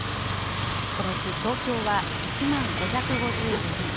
このうち東京は１万５５４人。